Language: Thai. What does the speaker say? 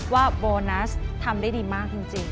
ว่าโบนัสทำได้ดีมากจริง